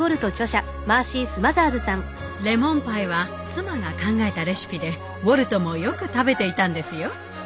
レモンパイは妻が考えたレシピでウォルトもよく食べていたんですよ。